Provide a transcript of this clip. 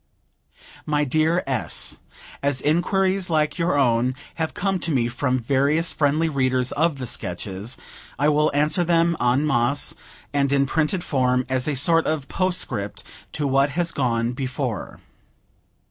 My Dear S.: As inquiries like your own have come to me from various friendly readers of the Sketches, I will answer them en masse and in printed form, as a sort of postscript to what has gone before.